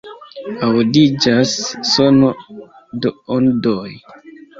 Aŭdiĝas sono de ondoj.